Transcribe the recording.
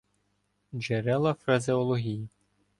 Джерела фразеології